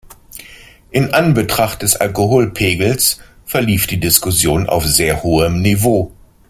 In Anbetracht des Alkoholpegels verlief die Diskussion auf sehr hohem Niveau.